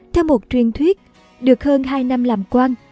trong một truyền thuyết được hơn hai năm làm quang